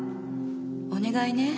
お願いね。